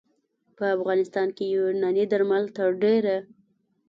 په افغانستان کې یوناني درمل تر ډېره